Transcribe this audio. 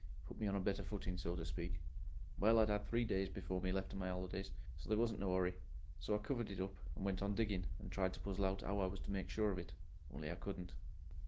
Put me on a better footing, so to speak. Well, I 'ad three days before me left of my 'olidays, so there wasn't no hurry, so I covered it up and went on digging, and tried to puzzle out 'ow I was to make sure of it. Only I couldn't.